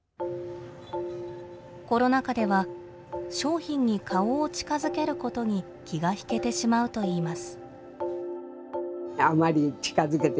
コロナ禍では商品に顔を近づけることに気が引けてしまうといいます。